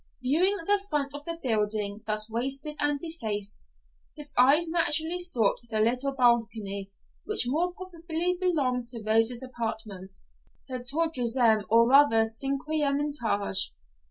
Viewing the front of the building thus wasted and defaced, his eyes naturally sought the little balcony which more properly belonged to Rose's apartment, her troisieme, or rather cinquieme, etage.